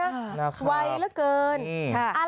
นะครับวัยเหลือเกินอ่า